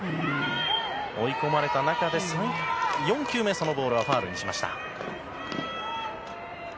追い込まれた中で、４球目そのボールはファウルにした。